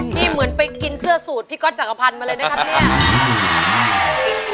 นี่เหมือนไปกินเสื้อสูตรพี่ก๊อตจักรพันธ์มาเลยนะครับเนี่ย